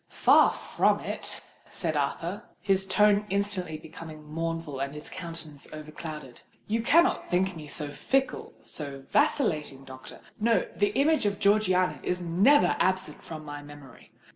"Far from it!" said Arthur, his tone instantly becoming mournful and his countenance overclouded. "You cannot think me so fickle—so vacillating, doctor. No: the image of Georgiana is never absent from my memory.